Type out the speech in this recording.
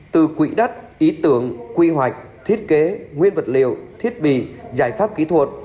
từ quỹ đất ý tưởng quy hoạch thiết kế nguyên vật liệu thiết bị giải pháp kỹ thuật